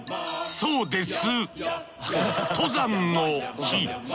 そうです